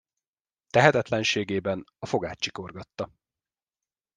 Tehetetlenségében a fogát csikorgatta.